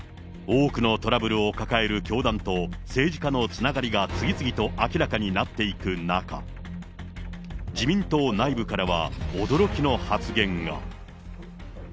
多くのトラブルを抱える教団と政治家のつながりが次々と明らかになっていく中、自民党内部からは、驚きの発言が。